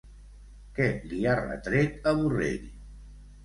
Què li ha retret a Borrell?